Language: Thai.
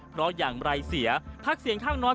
เพราะอย่างไรเสียพักเสียงข้างน้อย